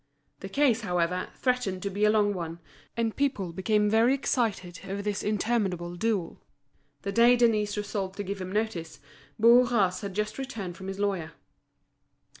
The case, however, threatened to be a long one, and people became very excited over this interminable duel. The day Denise resolved to give him notice, Bourras had just returned from his lawyer.